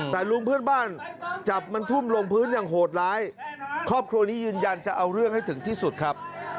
แต่ลุงเพื่อนบ้านจับมันทุ่มลงพื้นอย่างโหดร้ายครอบครัวนี้ยืนยันจะเอาเรื่องให้ถึงที่สุดครับ